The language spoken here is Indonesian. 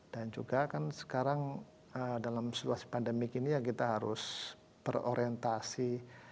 dan juga kan sekarang dalam situasi pandemik ini ya kita harus berorientasi